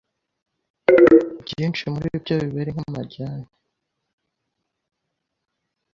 Byinshi muri byo biba ari nk’amajyani